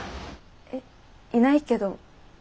えっいないけど。